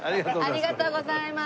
ありがとうございます。